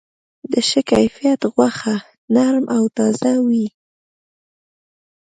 د ښه کیفیت غوښه نرم او تازه وي.